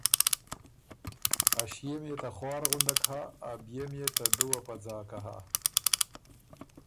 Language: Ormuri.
ا ݭيې ميې ته خوار غُندک هۀ ا بيې ميې ته دُوّه په ځاکه هۀ